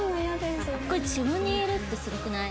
これ自分で言えるってすごくない？